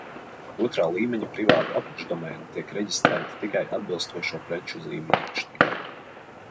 Otrā līmeņa privāti apakšdomēni tiek reģistrēti tikai atbilstošo preču zīmju īpašniekiem.